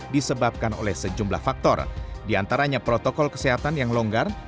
disebabkan oleh sejumlah faktor diantaranya protokol kesehatan yang longgar